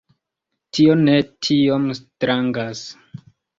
Tio ne tiom strangas.